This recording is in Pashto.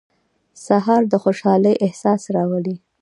سهار د خوشحالۍ احساس راولي.